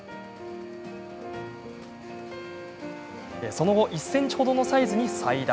その後、１ｃｍ程のサイズに裁断。